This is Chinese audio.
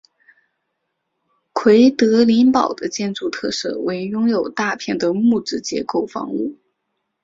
奎德林堡的建筑特色为拥有大片的木质结构房屋。